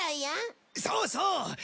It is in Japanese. そうそう！